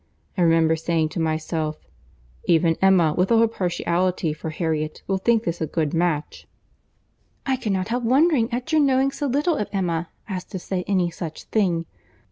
I remember saying to myself, 'Even Emma, with all her partiality for Harriet, will think this a good match.'" "I cannot help wondering at your knowing so little of Emma as to say any such thing.